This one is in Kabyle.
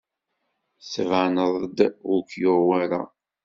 Tettbaneḍ-d ur k-yuɣ wara.